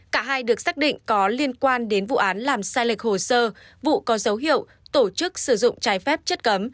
cả hai được xác định có liên quan đến vụ án làm sai lệch hồ sơ vụ có dấu hiệu tổ chức sử dụng trái phép chất cấm